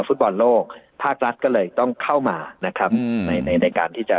ฟุตบอลโลกภาครัฐก็เลยต้องเข้ามานะครับในในในการที่จะ